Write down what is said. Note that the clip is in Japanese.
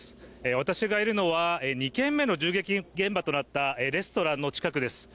私がいるのは２件目の銃撃現場となったレストランの近くです。